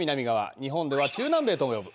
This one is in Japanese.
日本では中南米とも呼ぶ。